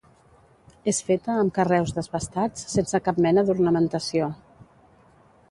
És feta amb carreus desbastats, sense cap mena d'ornamentació.